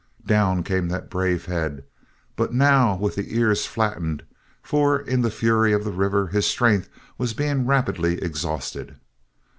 Down came that brave head, but now with the ears flattened, for in the fury of the river his strength was being rapidly exhausted.